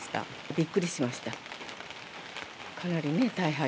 びっくりしました。